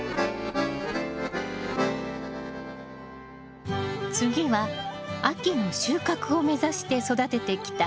次は秋の収穫を目指して育ててきた野菜よ。